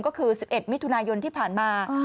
ก็คือ๑๑มิถุนายนที่ผ่านมา